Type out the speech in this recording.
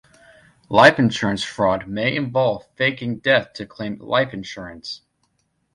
Life insurance fraud may involve faking death to claim life insurance.